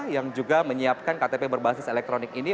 yang juga menyiapkan ktp berbasis elektronik ini